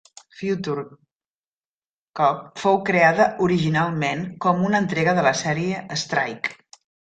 "Future Cop" fou creada originalment com una entrega de la sèrie "Strike".